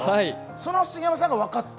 その杉山さんが分かった？